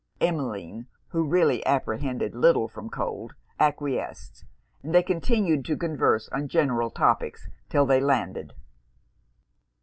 Emmeline, who really apprehended little from cold, acquiesced; and they continued to converse on general topics 'till they landed.